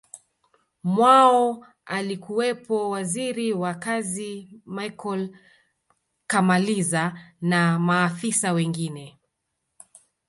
mwao alikuwepo Waziri wa kazi Michael kamaliza na maafisa wengine